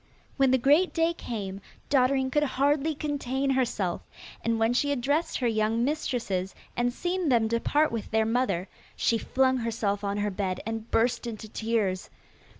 When the great day came, Dotterine could hardly contain herself, and when she had dressed her young mistresses and seen them depart with their mother she flung herself on her bed, and burst into tears.